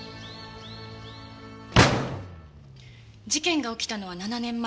事件が起きたのは７年前。